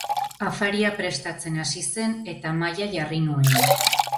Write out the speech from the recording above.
Afaria prestatzen hasi zen eta mahaia jarri nuen.